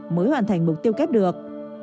mới hoàn thành mục tiêu kép được